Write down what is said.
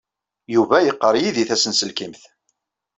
Yuba yeqqar yid-i tasenselkimt.